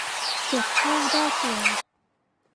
เจ็บไข้ได้ป่วย